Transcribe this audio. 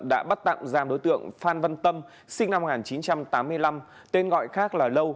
đã bắt tạm giam đối tượng phan văn tâm sinh năm một nghìn chín trăm tám mươi năm tên gọi khác là lâu